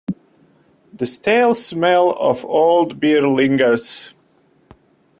The stale smell of old beer lingers.